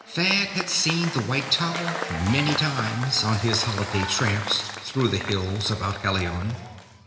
Thad had seen the white tower many times, on his holiday tramps through the hills about Helion.